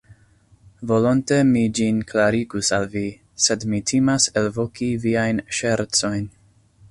Volonte mi ĝin klarigus al vi, sed mi timas elvoki viajn ŝercojn.